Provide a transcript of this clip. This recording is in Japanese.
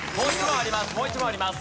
もう一問あります